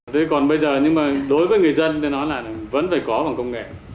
thế còn bây giờ nhưng mà đối với người dân tôi nói là vẫn phải có bằng công nghệ